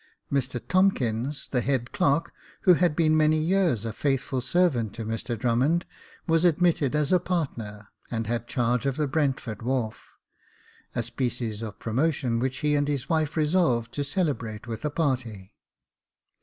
Mr Tomkins, the head clerk, who had been many years a faithful servant to Mr Drummond, was admitted as a partner, and had charge of the Brentford wharf, a species of promotion which he and his wife resolved to celebrate with a party.